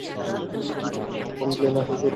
এরকম প্লেন আকাশে উড়ে কেমনে?